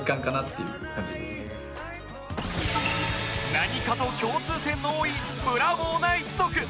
何かと共通点の多いブラボーな一族